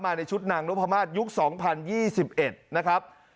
มาในชุดนางโรภามาสยุค๒๐๒๑นะครับ